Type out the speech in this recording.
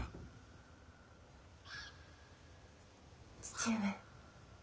・父上。